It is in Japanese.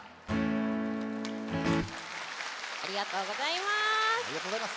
ありがとうございます。